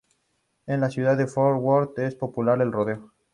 En la ciudad de Fort Worth es popular el rodeo.